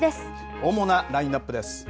主なラインナップです。